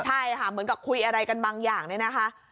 ใช่ค่ะเหมือนกับคุยอะไรกันบางอย่างเนี่ยนะคะ